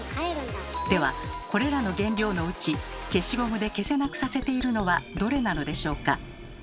ではこれらの原料のうち消しゴムで消せなくさせているのはどれなのでしょうか？